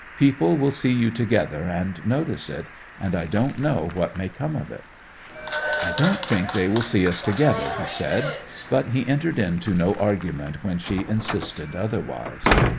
People will see you together, and notice it; and I don't know what may come of it!' 'I don't think they will see us together,' he said; but he entered into no argument when she insisted otherwise.